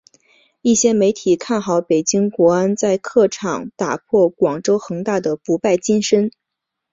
一些媒体看好北京国安在客场打破广州恒大的不败金身。